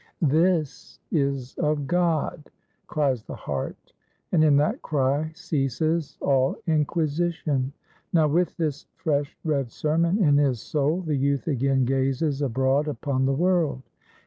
This is of God! cries the heart, and in that cry ceases all inquisition. Now, with this fresh read sermon in his soul, the youth again gazes abroad upon the world.